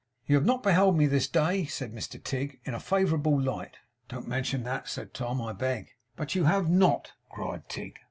'You have not beheld me this day,' said Mr Tigg, 'in a favourable light.' 'Don't mention that,' said Tom, 'I beg.' 'But you have NOT,' cried Tigg.